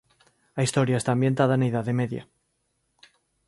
A historia está ambientada na Idade Media.